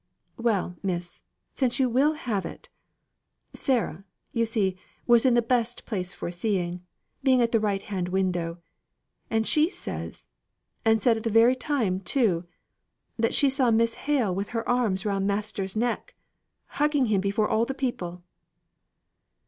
"Well, miss, since you will have it Sarah, you see, was in the best place for seeing, being at the right hand window; and she says, and said at the very time too, that she saw Miss Hale with her arms about master's neck, hugging him before all the people."